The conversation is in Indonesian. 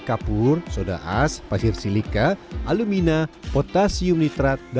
kapur soda as pasir silika alumina potasium nitrat dan pecahan kaca beling